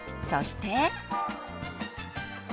そして。